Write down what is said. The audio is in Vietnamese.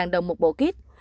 năm mươi năm đồng một bộ kit